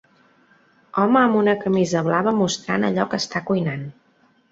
Home amb una camisa blava mostrant allò que està cuinant.